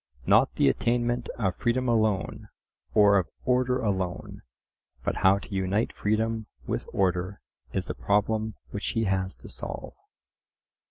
Not the attainment of freedom alone, or of order alone, but how to unite freedom with order is the problem which he has to solve.